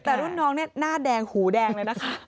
แต่รุ่นน้องเนี่ยหน้าแดงหูแดงเลยนะคะ